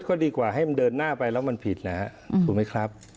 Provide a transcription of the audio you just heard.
ก็ดีกว่าให้มันเดินหน้าไปแล้วมันผิดนะครับถูกไหมครับ